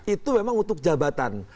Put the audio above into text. itu memang untuk jabatan